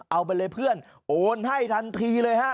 เอาไปเลยเพื่อนโอนให้ทันทีเลยฮะ